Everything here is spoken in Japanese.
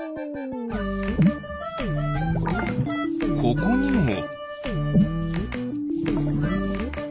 ここにも。